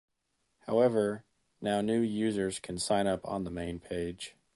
However, now new users can sign up on the main page.